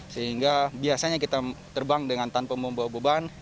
sehingga biasanya kita terbang dengan tanpa membawa beban